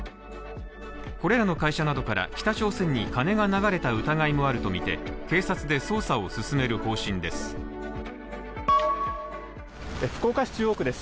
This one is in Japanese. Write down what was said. これらの会社などから北朝鮮に金が流れた疑いもあるとみて警察で捜査を進める方針です。